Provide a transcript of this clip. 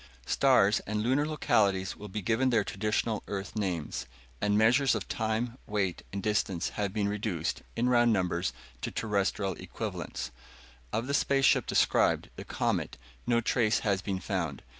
Stars and lunar localities will be given their traditional Earth names; and measures of time, weight, and distance have been reduced, in round numbers, to terrestrial equivalents. Of the space ship described, the Comet, no trace has been found.